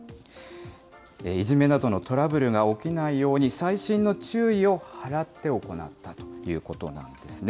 いじめなどのトラブルが起きないように細心の注意を払って行ったということなんですね。